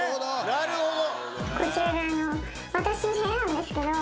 なるほど。